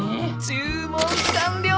注文完了！